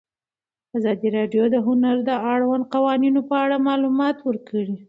ازادي راډیو د هنر د اړونده قوانینو په اړه معلومات ورکړي.